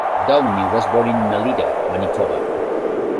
Downey was born in Melita, Manitoba.